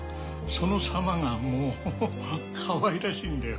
そのさまがもうかわいらしいんだよ。